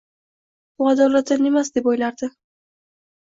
Bu adolatdan emas, deb oʻylardi